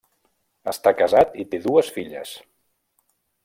Està casat i té dues filles.